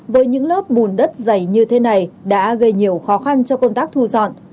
với những lớp bùn đất dày như thế này đã gây nhiều khó khăn cho công tác thu dọn